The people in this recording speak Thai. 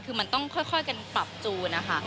คือมันต้องค่อยกันปรับจูนนะคะ